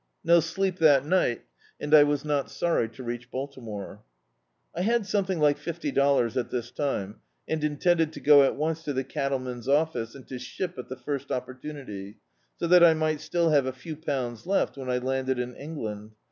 No sleep that night, and I was not sorry to reach Balti more. I had something like fifty dollars at this time, and intended to go at once to the cattleman's office, and to ship at the first opportunity, so that I mi^t still have a few pounds left when I landed in Eng land.